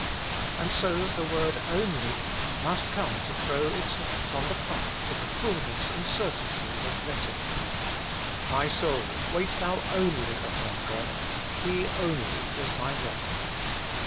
And so the word only must come to throw its light on the path to the fulness and certainty blessing. * My soul, wait thou only upon God Hb only is my Bock.'